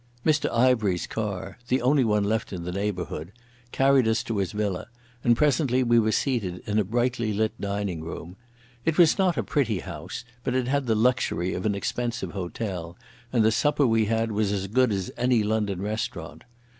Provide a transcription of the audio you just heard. Mr Ivery's car—the only one left in the neighbourhood—carried us to his villa, and presently we were seated in a brightly lit dining room. It was not a pretty house, but it had the luxury of an expensive hotel, and the supper we had was as good as any London restaurant.